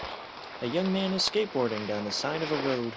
a young man is skateboarding down the side of a road